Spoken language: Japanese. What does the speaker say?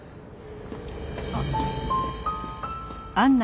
あっ。